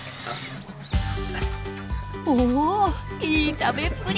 おっいい食べっぷり！